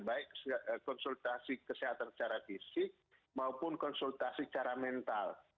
baik konsultasi kesehatan secara fisik maupun konsultasi secara mental